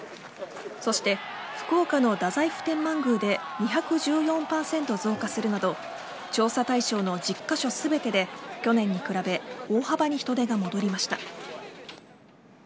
そして福岡の太宰府天満宮で２１４％増加するなど調査対象の１０カ所全てで去年に比べ大幅に人出が戻りました。